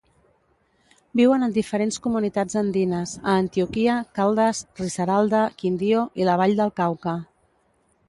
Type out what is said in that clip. Viuen en diferents comunitats andines, a Antioquia, Caldas, Risaralda, Quindío i la Vall del Cauca.